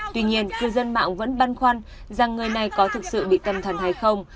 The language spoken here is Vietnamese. tuy nhiên cư dân mạng vẫn băn khoăn rằng người này có thực sự bị tâm thần hay không